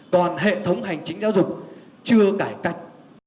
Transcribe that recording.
còn hệ thống hành chính giáo dục chưa cải cách